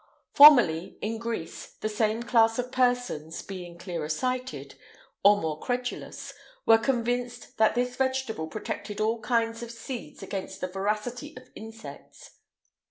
Formerly, in Greece, the same class of persons, being clearer sighted, or more credulous, were convinced that this vegetable protected all kinds of seeds against the voracity of insects.